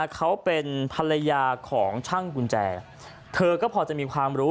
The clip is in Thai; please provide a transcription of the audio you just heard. เขาเป็นภรรยาของช่างกุญแจเธอก็พอจะมีความรู้